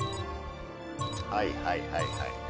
はいはいはいはい。